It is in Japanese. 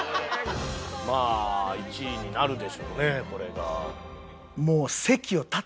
まあ１位になるでしょうねこれが。